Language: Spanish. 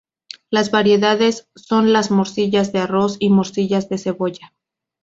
Las variedades son las morcillas de arroz y morcillas de cebolla.